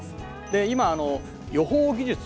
今予報技術